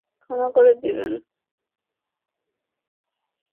ক্ষমা করে দেবেন!